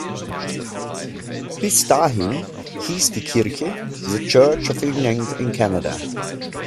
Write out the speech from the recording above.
Bis dahin hieß die Kirche "The Church of England in Canada".